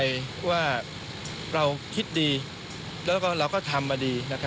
ถ้าเราคิดดีแล้วก็ทำมาดี